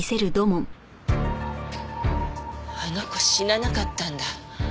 あの子死ななかったんだ。